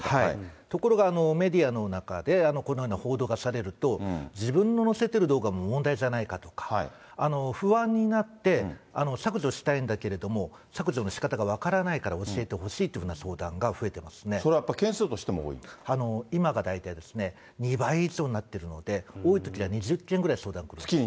ところが、メディアの中でこのような報道がされると、自分の載せてる動画も問題じゃないかとか、不安になって削除したいんだけれども、削除のしかたが分からないから教えてほしいというような相談が増それはやっぱり、件数として今が大体ですね、２倍以上になってるので、多いときは２０件ぐらい相談がありますね。